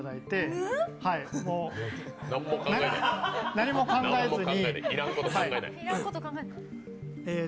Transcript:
何も考えずに。